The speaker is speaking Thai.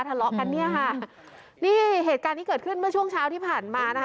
ทะเลาะกันเนี่ยค่ะนี่เหตุการณ์ที่เกิดขึ้นเมื่อช่วงเช้าที่ผ่านมานะคะ